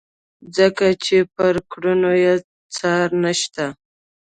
ځکه چې پر کړنو یې څار نشته.